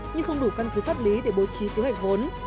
nhưng không đủ căn cứ pháp lý để bố trí kế hoạch vốn